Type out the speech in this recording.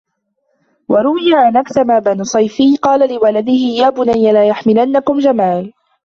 وَرُوِيَ أَنَّ أَكْثَمَ بْنَ صَيْفِيٍّ قَالَ لِوَلَدِهِ يَا بُنَيَّ لَا يَحْمِلَنَّكُمْ جَمَالُ